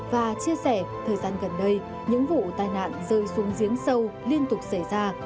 và chia sẻ thời gian gần đây những vụ tai nạn rơi xuống giếng sâu liên tục xảy ra